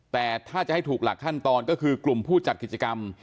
แต่ถ้าจะให้ถูกหลักขั้นตอนก็คือกลุ่มผู้จัดกิจกรรม